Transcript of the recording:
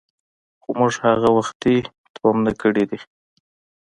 خو موږ هغه وختي تومنه کړي دي.